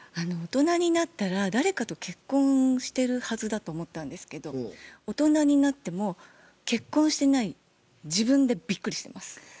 大人になったら誰かと結婚してるはずだと思ったんですけど大人になっても結婚してない自分でびっくりしてます。